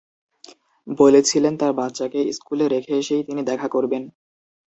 বলেছিলেন তাঁর বাচ্চাকে স্কুলে রেখে এসেই তিনি দেখা করবেন।